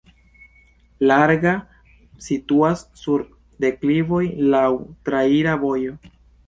Varga situas sur deklivoj, laŭ traira vojo.